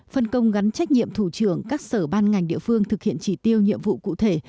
phân công gắn trách nhiệm thủ trưởng các sở ban ngành địa phương thực hiện chỉ tiêu nhiệm vụ cụ thể